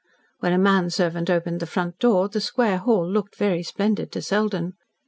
When a manservant opened the front door, the square hall looked very splendid to Selden.